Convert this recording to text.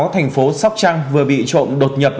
thành phố sóc trăng vừa bị trộm đột nhập